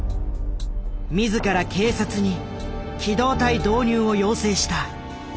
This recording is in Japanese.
自ら警察に機動隊導入を要請した。